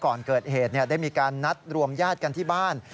ก่อนเกิดเหตุได้มีการนัดรวมญาติกันที่บ้าน